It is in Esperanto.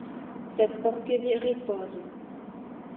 Sed por ke vi ripozu.